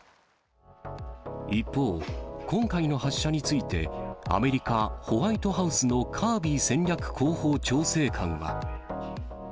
一方、今回の発射について、アメリカ・ホワイトハウスのカービー戦略広報調整官は。